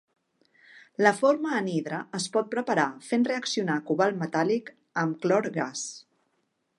La forma anhidra es pot preparar fent reaccionar cobalt metàl·lic amb clor gas.